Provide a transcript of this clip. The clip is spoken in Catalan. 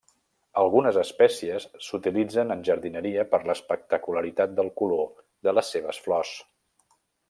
Algunes espècies s'utilitzen en jardineria per l'espectacularitat del color de les seves flors.